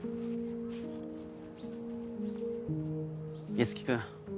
樹君。